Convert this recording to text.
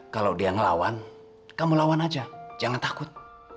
kalau dia melawan kamu lawan saja jangan takut